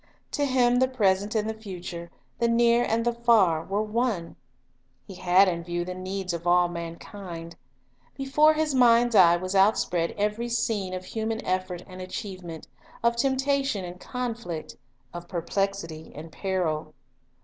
To Him the present and the future, the near and the far, were one. He had in view the needs of all man kind. Before His mind's eye was outspread every scene of human effort and achievement, of temptation and con flict, of perplexity and peril.